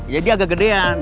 jadi agak gedean